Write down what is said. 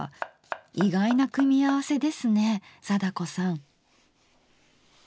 意外な組み合わせですね貞子さん？